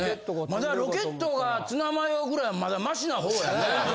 まだロケットがツナマヨぐらいまだましな方やね。